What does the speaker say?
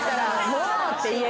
「もう！」って言える。